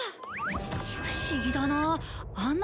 不思議だな。